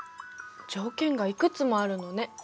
条件がいくつもあるのね。